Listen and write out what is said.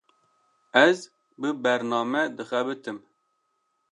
Ez, bi bername dixebitim